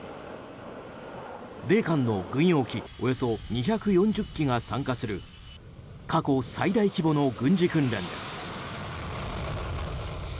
米韓の軍用機およそ２４０機が参加する過去最大規模の軍事訓練です。